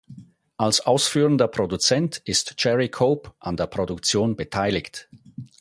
Als ausführender Produzent ist Jerry Cope an der Produktion beteiligt.